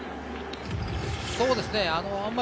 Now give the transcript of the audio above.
そうですね。